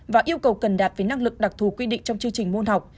và yêu cầu cần đạt về năng lực đặc thù quy định trong chương trình môn học